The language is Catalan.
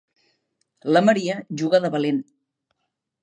La Maria juga de valent.